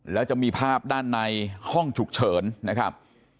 แล้วจะมีภาพด้านในห้องฉุกเฉินนะครับ